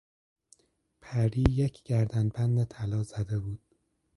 پری یک گردنبند طلا زده بود.